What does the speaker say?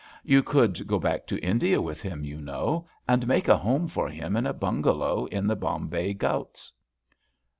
You could go back to India with him, you know, and make a home for him in a bungalow in the Bombay Ghauts."